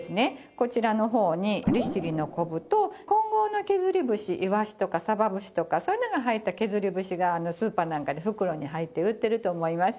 こちらの方に利尻の昆布と混合の削り節イワシとかサバ節とかそういうのが入った削り節がスーパーなんかで袋に入って売ってると思います。